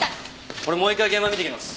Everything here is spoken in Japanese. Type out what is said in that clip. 俺もう１回現場見てきます。